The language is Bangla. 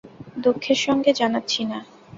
দুঃখের সঙ্গে জানাচ্ছি, না।